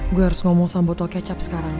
gue harus ngomong sama botol kecap sekarang